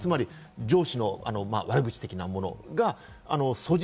上司の悪口的なものがＳＯＧＩ